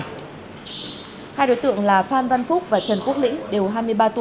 hai đối tượng là phan văn phúc và trần quốc lĩnh đều hai mươi ba tuổi